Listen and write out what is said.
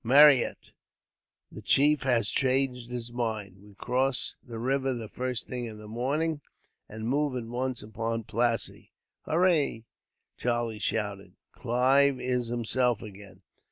"Marryat, the chief has changed his mind. We cross the river the first thing in the morning, and move at once upon Plassey." "Hurrah!" Charlie shouted; "Clive is himself again.